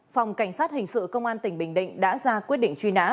phòng cảnh sát hình sự công an tỉnh bình định đã ra quyết định truy nã